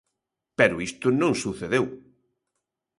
Pero isto non sucedeu.